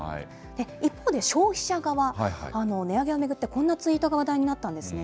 一方で、消費者側、値上げを巡ってこんなツイートが話題になったんですね。